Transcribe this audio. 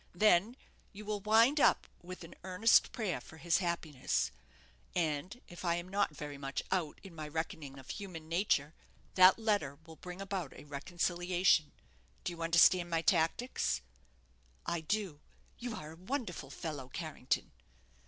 Then you will wind up with an earnest prayer for his happiness. And if I am not very much out in my reckoning of human nature, that letter will bring about a reconciliation. Do you understand my tactics?" "I do. You are a wonderful fellow, Carrington."